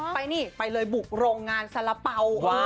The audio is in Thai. ไปนี่ไปเลยบุกโรงงานสาระเป๋า